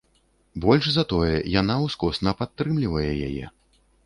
Больш за тое, яна ускосна падтрымлівае яе.